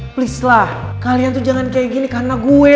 please lah kalian tuh jangan kayak gini karena gue